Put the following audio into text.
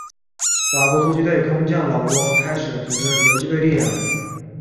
法国突击队空降老挝开始组织游击队力量。